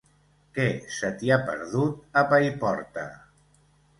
Què se t'hi ha perdut, a Paiporta?